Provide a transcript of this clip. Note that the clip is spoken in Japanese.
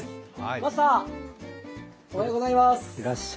マスター、おはようございます。